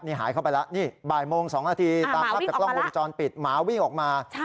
นี่หายเข้าไปแล้วนี่บ่ายโมง๒นาทีตามภาพจากกล้องวงจรปิดหมาวิ่งออกมา